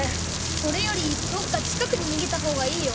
それよりどっか近くににげたほうがいいよ。